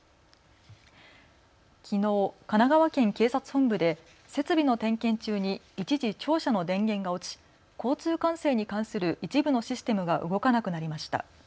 きのう、神奈川県警察本部で設備の点検中に一時、庁舎の電源が落ち交通管制に関する一部のシステムが動かなくなりました。